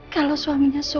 kalau suaminya berhasil